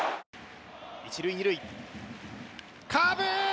一・二塁カーブ！